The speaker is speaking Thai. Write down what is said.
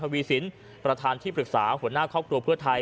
พร้อมด้วยในเศรษฐาเทวิสินประธานที่ปรึกษาหัวหน้าเค้ากรัวเพื่อไทย